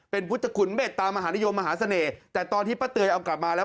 เป็นพุทธคุณเมตตามหานิยมมหาเสน่ห์แต่ตอนที่ป้าเตยเอากลับมาแล้ว